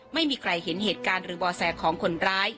ไม่มีใครเห็นเหตุการณ์หรือบ่อแสของคนร้าย